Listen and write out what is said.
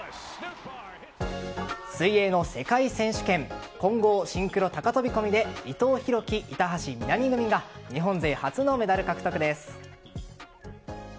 水泳の世界選手権混合シンクロ高飛込で伊藤洸輝・板橋美波組が日本勢初のメダル獲得です。